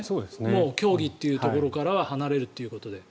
もう競技というところからは離れるということで。